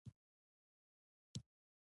دا په یو سوه درې دېرش ق م کې و